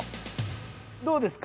どうですか？